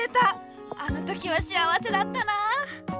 あの時は幸せだったなあ。